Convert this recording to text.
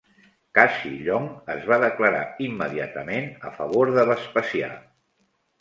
Cassi Llong es va declarar immediatament a favor de Vespasià.